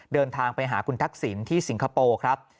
เดินทางไปหาคุณทักษิณที่สิงคโปร์ครับ